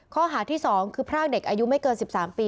ข้อหาที่๒คือพรากเด็กอายุไม่เกิน๑๓ปี